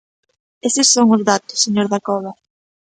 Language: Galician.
Eses son os datos, señor Dacova.